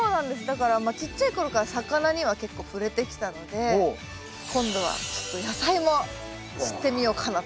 だからちっちゃいころから魚には結構触れてきたので今度はちょっと野菜も知ってみようかなという。